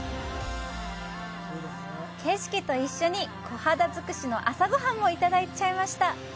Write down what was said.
景色と一緒に、コハダ尽くしの朝ごはんもいただいちゃいました。